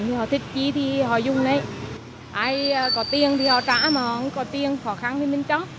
đi thì họ dùng đấy ai có tiền thì họ trả mà không có tiền khó khăn thì mình cho